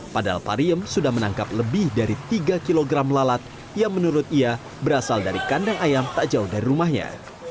padahal pariem sudah menangkap lebih dari tiga kg lalat yang menurut ia berasal dari kandang ayam tak jauh dari rumahnya